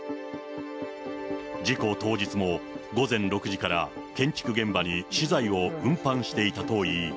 事故当日も、午前６時から建築現場に資材を運搬していたと言い。